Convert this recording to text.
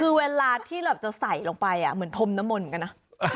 คือเวลาที่เราจะใส่ลงไปเหมือนพรมนมนต์กันนะ